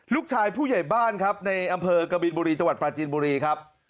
ผู้ใหญ่บ้านครับในอำเภอกบินบุรีจังหวัดปลาจีนบุรีครับ